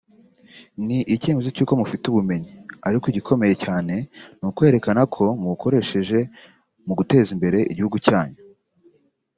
ni icyemezo cy’uko mufite ubumenyi ariko igikomeye cyane ni ukwerekana ko mubukoresheje mu guteza imbere igihugu cyanyu